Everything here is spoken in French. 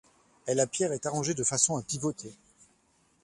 Et la pierre est arrangée de façon à pivoter.